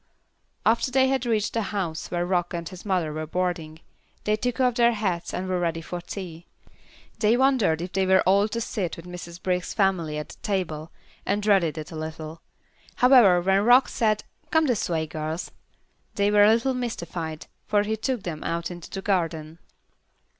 After they had reached the house where Rock and his mother were boarding, they took off their hats and were ready for tea. They wondered if they were all to sit with Mrs. Brisk's family at the table, and dreaded it a little. However, when Rock said, "Come this way, girls," they were a little mystified, for he took them out into the garden.